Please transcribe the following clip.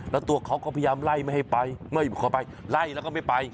แล้วตัวเขาก็พยายามไล่ไม่ให้ไปเมื่อเขาไปไล่แล้วก็ไม่ไป